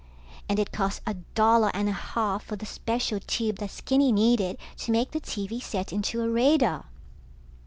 And it cost a dollar and a half for the special tube that Skinny needed to make the TV set into a radar.